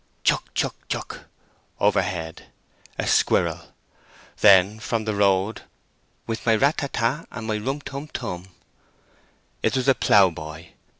"Chuck chuck chuck!" overhead. A squirrel. Then, from the road, "With my ra ta ta, and my rum tum tum!" It was a ploughboy.